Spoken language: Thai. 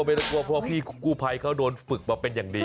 ไปก็เพราะพี่กู้ไพรเขาโดนฝึกมาเป็นอย่างดี